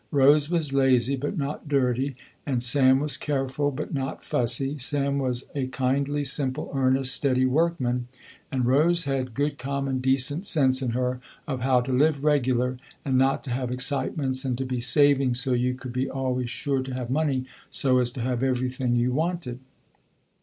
Rose was lazy, but not dirty, and Sam was careful but not fussy. Sam was a kindly, simple, earnest, steady workman, and Rose had good common decent sense in her, of how to live regular, and not to have excitements, and to be saving so you could be always sure to have money, so as to have everything you wanted.